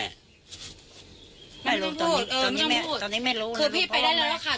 ไม่รู้ตอนนี้ตอนนี้ไม่รู้คือพี่ไปได้แล้วล่ะค่ะ